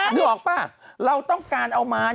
นึกออกป่ะเราต้องการเอาไม้